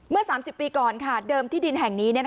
เมื่อ๓๐ปีก่อนเดิมที่ดินแห่งนี้